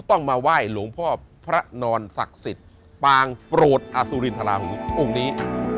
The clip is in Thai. ต้องมาไหว้หลวงพ่อพระนอนศักดิ์สิทธิ์ปางโปรดอสุรินทราหูองค์นี้